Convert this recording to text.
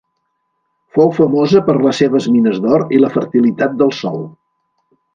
Fou famosa per les seves mines d'or i la fertilitat del sòl.